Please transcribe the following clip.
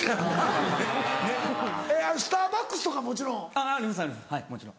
スターバックスとかもちろん。